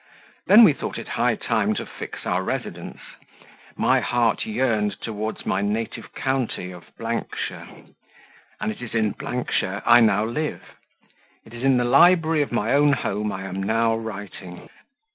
Then we thought it high time to fix our residence. My heart yearned towards my native county of shire; and it is in shire I now live; it is in the library of my own home I am now writing.